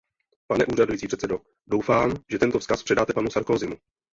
Pane úřadující předsedo, doufám, že tento vzkaz předáte panu Sarkozymu.